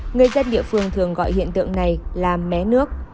người dân địa phương thường gọi hiện tượng này là mé nước